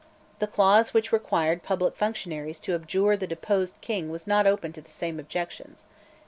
The clause which required public functionaries to abjure the deposed King was not open to the same objections.